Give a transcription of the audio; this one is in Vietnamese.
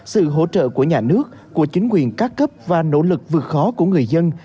sự hỗ trợ của nhà nước của chính quyền các cấp và nỗ lực vượt khó của người dân